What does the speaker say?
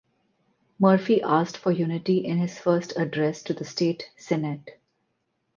Murphy asked for unity in his first address to the state senate.